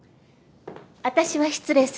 私は失礼するわ。